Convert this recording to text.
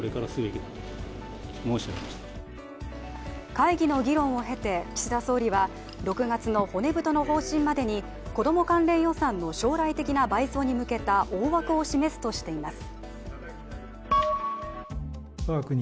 会議の議論を経て岸田総理は６月の骨太の方針までに子ども関連予算の将来的な倍増に向けた大枠を示すとしています